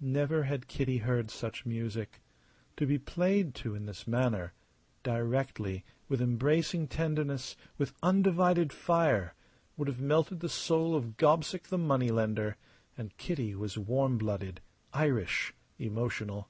Never had Kitty heard such music. To be played to in this manner directly, with embracing tenderness, with undivided fire would have melted the soul of Gobseck the money lender; and Kitty was warm blooded, Irish, emotional.